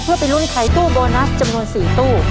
เพื่อไปลุ้นไขตู้โบนัสจำนวน๔ตู้